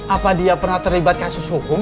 apa dia pernah terlibat kasus hukum